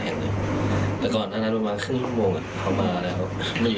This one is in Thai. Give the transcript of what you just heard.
พอเถี๊บพังหมดเนี่ยแล้วเข้ามาแทงผมเนี่ย